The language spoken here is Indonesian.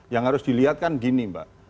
yang harus dilihat kan gini mbak